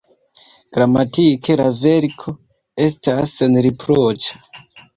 Gramatike la verko estas senriproĉa.